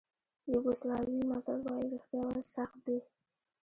یوګوسلاویې متل وایي رښتیا ویل سخت دي.